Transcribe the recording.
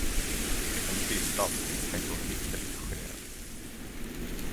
En bildad, tänkte hon ytterligt generad.